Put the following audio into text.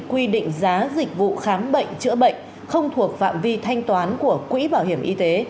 quy định giá dịch vụ khám bệnh chữa bệnh không thuộc phạm vi thanh toán của quỹ bảo hiểm y tế